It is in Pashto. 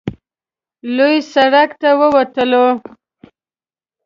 لوی سړک ته ووتل.